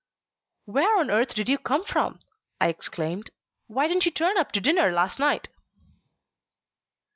"Where on earth have you come from?" I exclaimed. "Why didn't you turn up to dinner last night?"